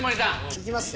いきますね。